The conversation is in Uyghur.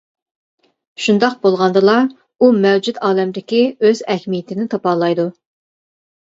شۇنداق بولغاندىلا ئۇ مەۋجۇت ئالەمدىكى ئۆز ئەھمىيىتىنى تاپالايدۇ.